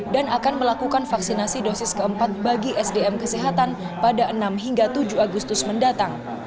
dan akan melakukan vaksinasi dosis keempat bagi sdm kesehatan pada enam hingga tujuh agustus mendatang